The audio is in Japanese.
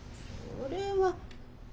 それは。